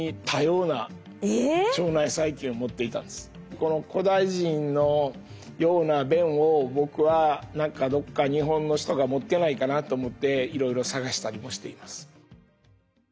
この古代人のような便を僕は何かどこか日本の人が持ってないかなと思っていろいろ探したりもしています。